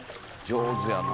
上手やな。